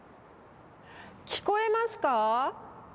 聞こえますか？